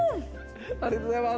ありがとうございます。